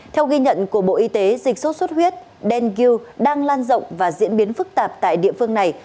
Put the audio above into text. theo ghi nhận của bộ y tế dịch sốt suốt huyết dengue đang lan rộng và diễn biến phức tạp tại địa phương này